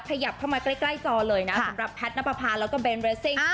ขยับเข้ามาใกล้ใกล้จอเลยนะค่ะสำหรับแพทนปภาแล้วก็เบนเวสซิง